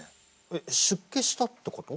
えっ出家したってこと？